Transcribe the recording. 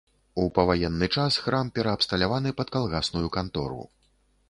У паваенны час храм пераабсталяваны пад калгасную кантору.